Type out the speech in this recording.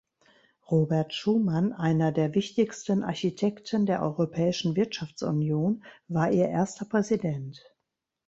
Robert Schuman, einer der wichtigsten Architekten der Europäischen Wirtschaftsunion, war ihr erster Präsident.